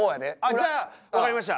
じゃあ分かりました